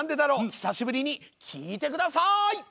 久しぶりに聞いて下さい！